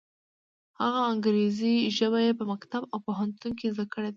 هغه انګریزي ژبه یې په مکتب او پوهنتون کې زده کړې ده.